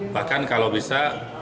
bahkan kalau bisa